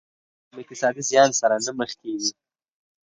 هغه له کوم اقتصادي زيان سره نه مخ کېږي.